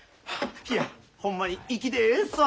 いやホンマに粋でええっすわ！